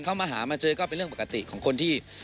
เขามาหามาเจอก็เป็นเรื่องปกติของคนที่